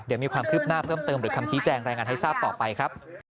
เดี๋ยวมีความคืบหน้าเพิ่มเติมหรือคำชี้แจงรายงานให้ทราบต่อไปครับ